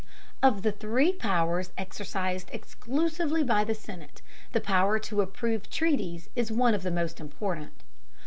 Of the three powers exercised exclusively by the Senate, the power to approve treaties is one of the most important.